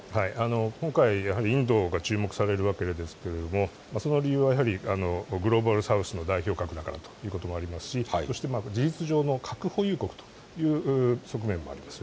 今回、やはりインドが注目されるわけですけれどもその理由はグローバル・サウスの代表格だからということもありますし、そして事実上の核保有国という側面もあります。